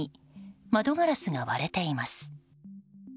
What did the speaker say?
窓ガラスが割れています。